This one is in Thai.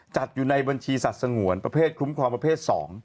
จัดอยู่ในบัญชีสัตว์สงวนประเภทคุ้มครองประเภท๒